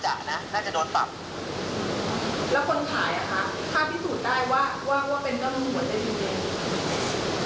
ถ้าพิสูจน์ได้ว่าว่าว่าเป็นเจ้ามือเหมือนใดดีเอง